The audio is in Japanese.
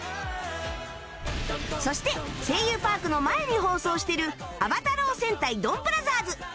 そして『声優パーク』の前に放送してる『暴太郎戦隊ドンブラザーズ』